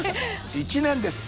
１年です。